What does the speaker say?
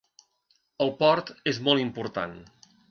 El port és molt important.